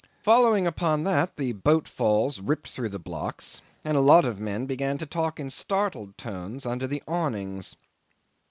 Following upon that the boat falls ripped through the blocks, and a lot of men began to talk in startled tones under the awnings.